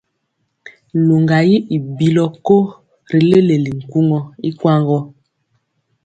Luŋga yi i bilɔ ko ri leleli nkuŋɔ ikwaŋ gɔ.